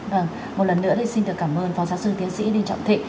vâng một lần nữa thì xin được cảm ơn phó giáo sư tiến sĩ đinh trọng thịnh